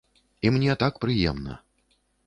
І мне так прыемна.